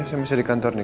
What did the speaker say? saya masih di kantor nih